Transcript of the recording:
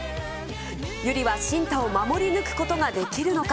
百合は慎太を守り抜くことができるのか。